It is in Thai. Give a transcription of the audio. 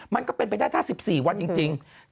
มันก็เป็นไปได้ถ้า๑๔วันจริง